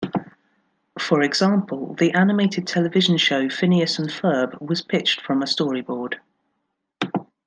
For example, the animated television show "Phineas and Ferb" was pitched from a storyboard.